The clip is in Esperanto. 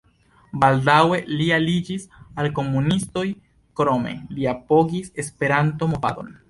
Baldaŭe li aliĝis al komunistoj, krome li apogis Esperanto-movadon.